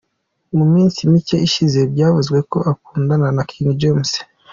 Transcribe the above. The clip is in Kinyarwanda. Mu minsi mike ishize byavuzwe ko akundana na King James.